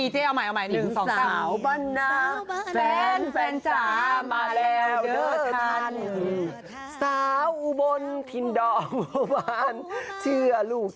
ต้องให้เขานะเขาซ้อมตลอดทั้งเบรกเธอต้องเห็นใจแม่